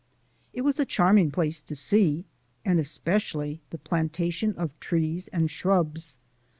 It was a charming place to see, and especially the plantation of trees and shrubs.